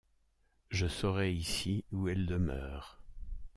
Je saurai ici où elle demeure.